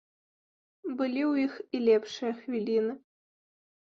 Былі ў іх і лепшыя хвіліны.